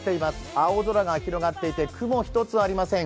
青空が広がっていて、雲一つありません。